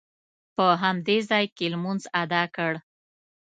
په همدې ځاې کې لمونځ ادا کړ.